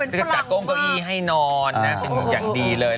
จะจัดก้งเก้าอี้ให้นอนเป็นอย่างดีเลย